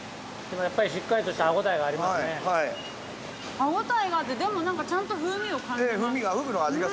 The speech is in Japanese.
◆歯応えがあって、でも、なんかちゃんと風味を感じます。